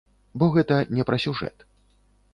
Бо гэта не пра сюжэт.